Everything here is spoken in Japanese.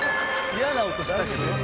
「嫌な音したけど」